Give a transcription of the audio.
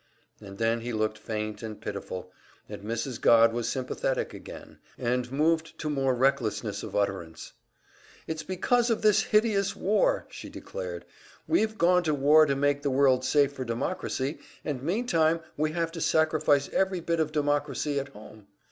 And then he looked faint and pitiful, and Mrs. Godd was sympathetic again, and moved to more recklessness of utterance. "It's because of this hideous war!" she declared. "We've gone to war to make the world safe for democracy, and meantime we have to sacrifice every bit of democracy at home.